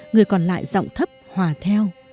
người còn lại giọng thấp hòa theo